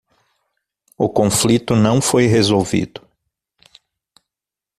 O conflito não foi resolvido.